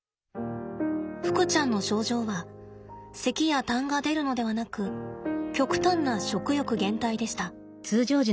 ふくちゃんの症状はせきやたんが出るのではなく極端な食欲減退でした。